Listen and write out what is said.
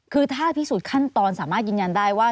คือถ้าพิสูจน์ขั้นตอนสามารถยืนยันได้ว่า